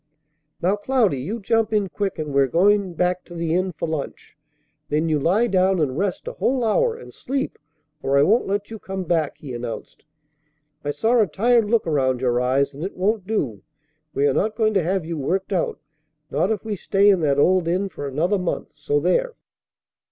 "Now, Cloudy, you jump in quick, and we're going back to the inn for lunch. Then you lie down and rest a whole hour, and sleep, or I won't let you come back," he announced. "I saw a tired look around your eyes, and it won't do. We are not going to have you worked out, not if we stay in that old inn for another month. So there!"